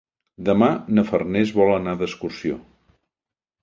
Demà na Farners vol anar d'excursió.